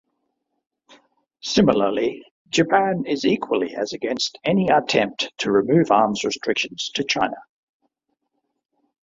Similarly, Japan is equally as against any attempt to remove arms restrictions to China.